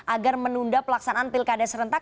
agar menunda pelaksanaan pilkada serentak